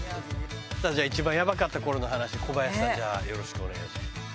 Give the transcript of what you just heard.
じゃあ一番やばかったころの話、小林さん、よろしくお願いします。